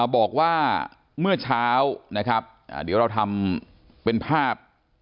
บอกว่าเมื่อเช้านะครับเดี๋ยวเราทำเป็นภาพ